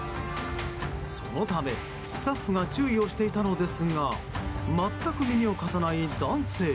そのためスタッフが注意をしていたのですが全く耳を貸さない男性。